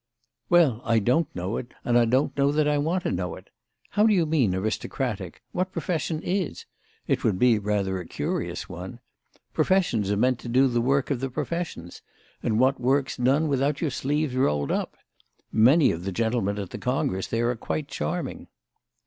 "Well, I don't know it, and I don't know that I want to know it. How do you mean, aristocratic? What profession is? It would be rather a curious one. Professions are meant to do the work of professions; and what work's done without your sleeves rolled up? Many of the gentlemen at the congress there are quite charming."